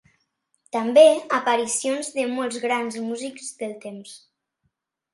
També, aparicions de molts grans músics del temps.